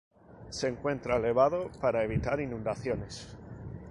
Se encuentra elevado para evitar inundaciones.